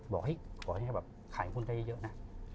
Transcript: บอกขอให้แบบขายหุ้นได้เยอะนะ